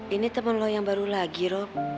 ini temen lo yang baru lagi rok